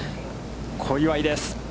小祝です。